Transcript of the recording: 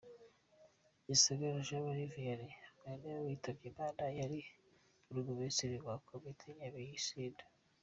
Gisagara Jean Marie Vianney nawe witabye Imana, yari Burugumestre wa komini Nyabisindu.